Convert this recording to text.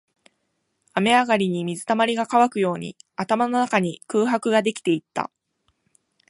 雨上がりに水溜りが乾くように、頭の中に空白ができていった